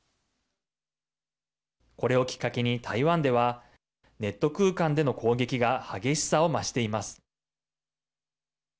これをきっかけに台湾ではネット空間での攻撃が激しさを増しています。